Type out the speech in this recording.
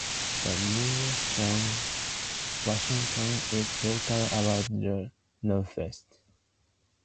The nearest town, Snoqualmie, Washington, is located about to the northwest.